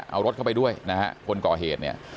เอารถเข้าไปด้วยนะฮะคนก่อเหตุเนี่ย